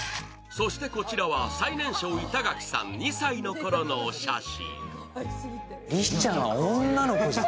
そしてこちらは最年少、板垣さん２歳のころのお写真。